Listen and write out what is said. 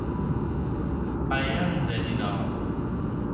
I am ready now.